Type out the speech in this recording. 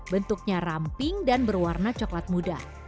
bentuknya ramping dan berwarna coklat muda